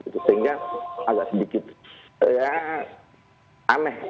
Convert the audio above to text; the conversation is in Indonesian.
sehingga agak sedikit aneh